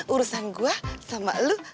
urusan gua sama lu